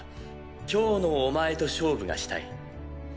今日のお前と勝負がしたい。